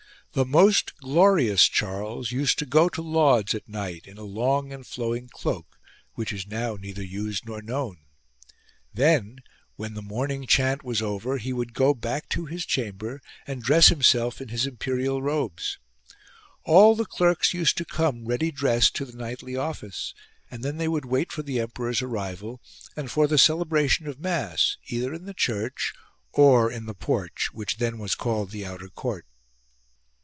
The most glorious Charles used to go to lauds at night in a long and flowing cloak, which is now neither used nor known : then when the morning E.C. 97 G THE CLERK'S DREAM chant was over he would go back to his chamber and dress himself in his imperial robes. All the clerks used to come ready dressed to the nightly office, and then they would wait for the emperor's arrival, and for the celebration of mass either in the church or in the porch which then was called the outer court.